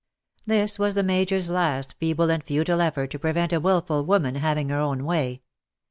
"'^ This was the Major^s last feeble and futile effort to prevent a wilful woman having her own way.